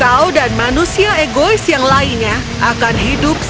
kau akan menemukan alam yang akan menyebabkan hidupmu